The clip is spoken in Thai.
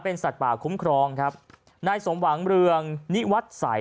สัตว์ป่าคุ้มครองครับนายสมหวังเรืองนิวัตรสัย